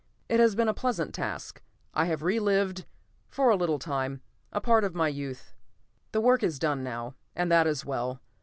It has been a pleasant task; I have relived, for a little time, a part of my youth. The work is done, now, and that is well.